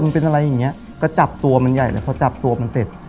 พอจับตัวมันใหญ่แล้วพอจับตัวมันเสร็จ